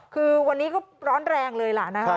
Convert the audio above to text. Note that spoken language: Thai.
คือวันนี้ก็ร้อนแรงเลยล่ะนะครับ